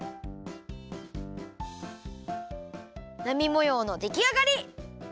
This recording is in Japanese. なみもようのできあがり！